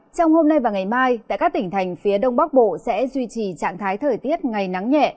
trong hôm nay và ngày mai tại các tỉnh thành phía đông bắc bộ sẽ duy trì trạng thái thời tiết ngày nắng nhẹ